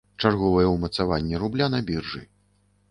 Чарговае ўмацаванне рубля на біржы.